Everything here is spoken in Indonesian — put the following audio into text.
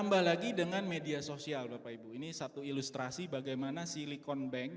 di media sosial bapak ibu ini satu ilustrasi bagaimana silicon bank